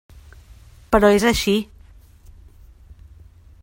Però és així.